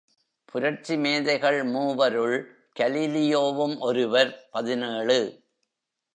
புரட்சி மேதைகள் மூவருள் கலீலியோவும் ஒருவர் பதினேழு .